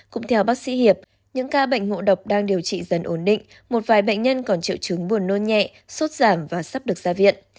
cũng theo bác sĩ hiệp những ca bệnh ngộ độc đang điều trị dần ổn định một vài bệnh nhân còn triệu chứng buồn nôn nhẹ sốt giảm và sắp được ra viện